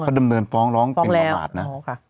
เขาดำเนินฟ้องร้องเป็นประมาทนะ